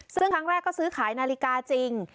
ซึ่งครั้งแรกก็ซื้อขายนาฬิกาจริง